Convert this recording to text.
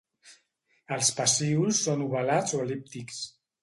Els pecíols són ovalats o el·líptics.